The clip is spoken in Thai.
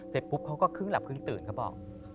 เสร็จปุ๊บเขาก็ครึ่งหลับครึ่งตื่นเขาบอก